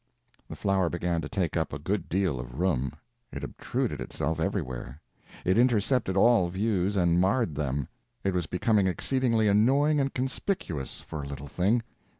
The flower began to take up a good deal of room; it obtruded itself everywhere, it intercepted all views, and marred them; it was becoming exceedingly annoying and conspicuous for a little thing.